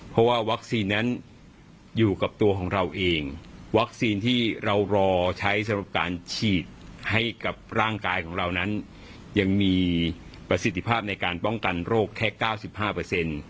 เพราะว่าวัคซีนนั้นอยู่กับตัวของเราเองวัคซีนที่เรารอใช้สำหรับการฉีดให้กับร่างกายของเรานั้นยังมีประสิทธิภาพในการป้องกันโรคแค่เก้าสิบห้าเปอร์เซ็นต์